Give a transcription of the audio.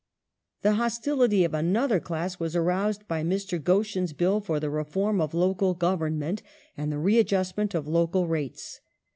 The hostility of another class was aroused by Mr. Goschen's Bill for the reform of Local Government and the readjustment of local rates.